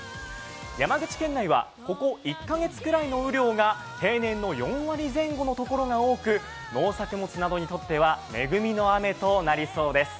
山口県内は、ここ１か月くらいの雨量が平年の４割前後のところが多く、農作物などにとっては恵みの雨となりそうです